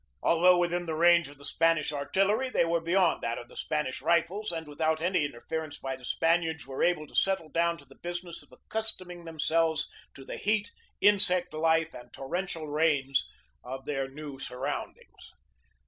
Al though within range of the Spanish artillery, they 268 THE TAKING OF MANILA 269 were beyond that of the Spanish rifles and without any interference by the Spaniards were able to settle down to the business of accustoming themselves to the heat, insect life, and torrential rains of their new surroundings.